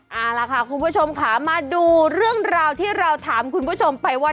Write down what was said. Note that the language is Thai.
เอาล่ะค่ะคุณผู้ชมค่ะมาดูเรื่องราวที่เราถามคุณผู้ชมไปว่า